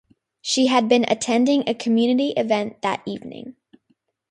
She had been attending a community event that evening.